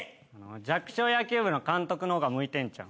弱小野球部の監督のほうが向いてんちゃう？